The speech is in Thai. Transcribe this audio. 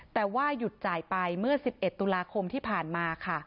แต่ว่าหยุดจ่ายไปเมื่อ๑๑ตุลาคมที่ผ่านมาค่ะ